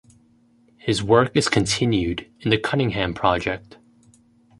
His work is continued in the Cunningham project.